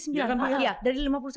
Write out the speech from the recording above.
apalagi di komisi sembilan